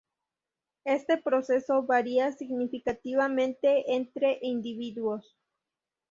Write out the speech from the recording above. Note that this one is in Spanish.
Este proceso varía significativamente entre individuos.